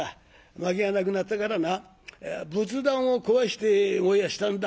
薪がなくなったからな仏壇を壊して燃やしたんだ」。